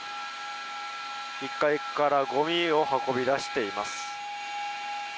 １階からごみを運び出しています。